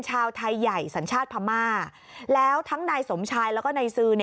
ชาวไทยใหญ่สัญชาติพม่าแล้วทั้งนายสมชายแล้วก็นายซื้อ